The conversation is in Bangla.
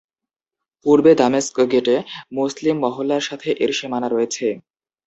পূর্বে দামেস্ক গেটে মুসলিম মহল্লার সাথে এর সীমানা রয়েছে।